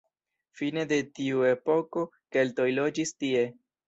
Fine de tiu epoko keltoj loĝis tie.